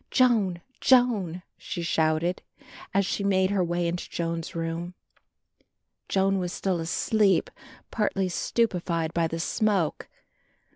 "Joan, Joan," she shouted, as she made her way into Joan's room. Joan was still asleep, partly stupified by the smoke.